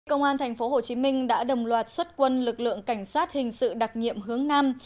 công an tp hcm đã đồng loạt xuất quân lực lượng cảnh sát hình sự đặc nhiệm hướng nam